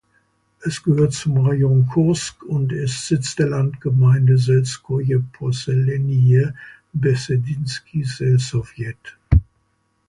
Es gehört zum Rajon Kursk und ist Sitz der Landgemeinde "(selskoje posselenije) Bessedinski selsowjet".